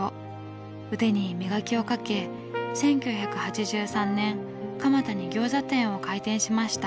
腕に磨きをかけ１９８３年蒲田に餃子店を開店しました。